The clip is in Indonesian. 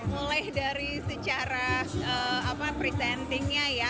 mulai dari secara presentingnya ya